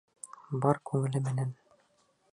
Бар күңеле менән.